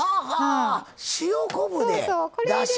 塩昆布でだしを！